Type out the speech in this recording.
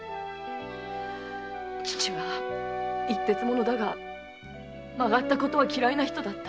父は一徹者だが曲がったことは嫌いな人だった。